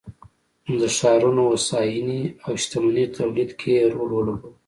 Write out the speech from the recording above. د ښارونو هوساینې او شتمنۍ تولید کې یې رول ولوباوه